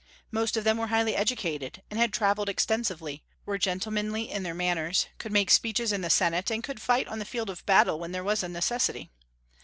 Most of them were highly educated, had travelled extensively, were gentlemanly in their manners, could make speeches in the Senate, and could fight on the field of battle when there was a necessity.